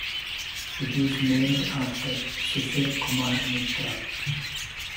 It is named after Sisir Kumar Mitra.